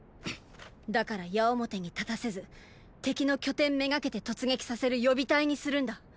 だから矢面に立たせず敵の拠点めがけて突撃させる予備隊にするんだ。